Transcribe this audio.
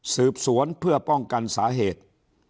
สืบสวนเพื่อป้องกันสาเหตุ